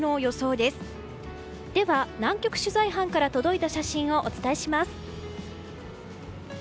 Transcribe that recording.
では、南極取材班から届いた写真をお伝えします。